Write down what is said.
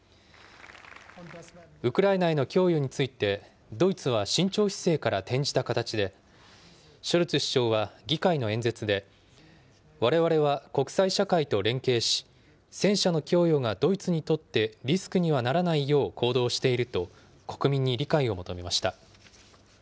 ウクライナへの供与についてドイツは慎重姿勢から転じた形で、ショルツ首相は議会の演説で、われわれは国際社会と連携し、戦車の供与がドイツにとってリスクにはならないよう行動していると、国民に理解を求めました。